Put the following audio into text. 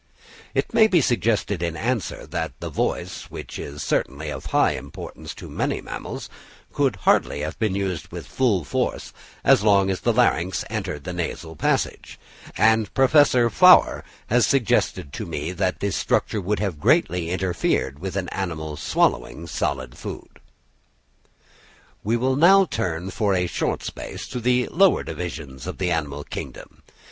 It may be suggested in answer that the voice, which is certainly of high importance to many animals, could hardly have been used with full force as long as the larynx entered the nasal passage; and Professor Flower has suggested to me that this structure would have greatly interfered with an animal swallowing solid food. We will now turn for a short space to the lower divisions of the animal kingdom.